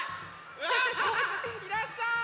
いらっしゃい！